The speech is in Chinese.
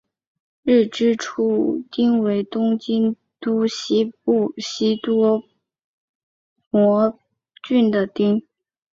日之出町为东京都西部西多摩郡的町。